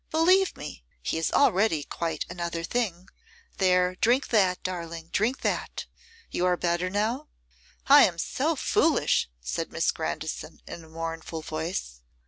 Believe me, he is already quite another thing. There, drink that, darling, drink that. You are better now?' 'I am so foolish,' said Miss Grandison, in a mournful voice.